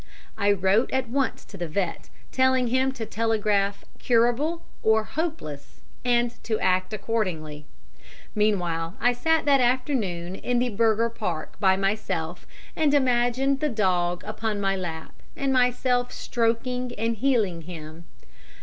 I wrote at once to the vet, telling him to telegraph "Curable" or "Hopeless," and to act accordingly. Meanwhile, I sat that afternoon in the Bürgerpark by myself and imagined the dog upon my lap, and myself stroking and healing him.